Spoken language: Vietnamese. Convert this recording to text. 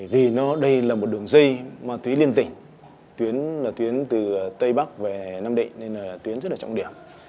vì nó đây là một đường dây ma túy liên tỉnh tuyến là tuyến từ tây bắc về nam định nên là tuyến rất là trọng điểm